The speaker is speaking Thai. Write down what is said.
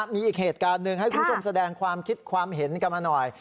มีอีกเหตุการณ์หนึ่งให้คุณผู้ชมแสดงความคิดความเห็นกันมาหน่อย